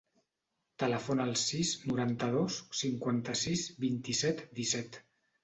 Telefona al sis, noranta-dos, cinquanta-sis, vint-i-set, disset.